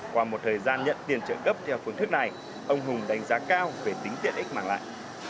qua một thời gian nhận tiền trợ cấp theo phương thức này ông hùng đánh giá cao về tính tiện ích mang lại